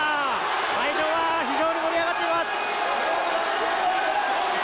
会場は非常に盛り上がっています。